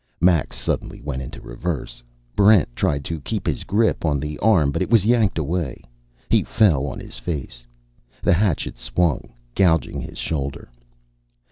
Max suddenly went into reverse. Barrent tried to keep his grip on the arm, but it was yanked away. He fell on his face. The hatchet swung, gouging his shoulder.